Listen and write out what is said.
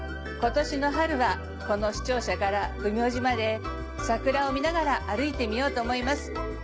今年の春はこの市庁舎から弘明寺まで桜を見ながら歩いてみようと思います。